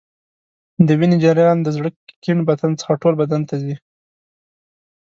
د وینې جریان د زړه کیڼ بطن څخه ټول بدن ته ځي.